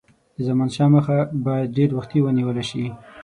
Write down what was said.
د زمانشاه مخه باید ډېر وختي ونیوله شي.